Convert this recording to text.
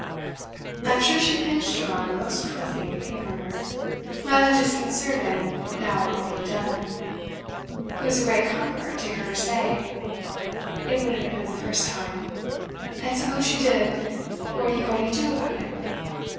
"I am sure she pinched your arm most cruelly," he murmured, rather disconcerted now at what he had done. It was a great comfort to hear her say: "It wouldn't have been the first time. And suppose she did what are you going to do about it?"